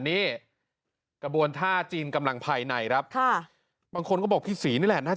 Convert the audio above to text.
เอ่อเด็กแม่โจ้เก่าก็อย่างนี้แหละ